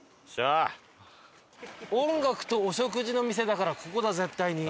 「音楽とお食事の店」だからここだ絶対に。